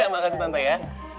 makasih tante ya